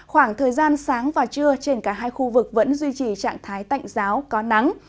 khoảng thời gian sáng và trưa trên cả hai khu vực vẫn duy trì trạng thái tạnh giáo có nắng